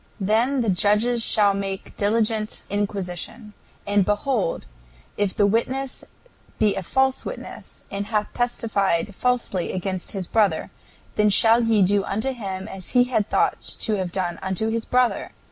"Then the judges shall make diligent inquisition; and behold, if the witness be a false witness, and hath testified falsely against his brother, then shall ye do unto him as he had thought to have done unto his brother...